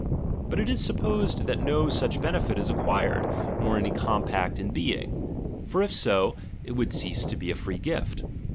But it is supposed that no such benefit is acquired, nor any compact inbemg ; for if so, it would cease to be a free gift.